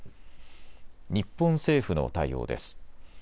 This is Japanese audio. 日本政府の対応です。